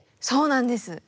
そうなんです。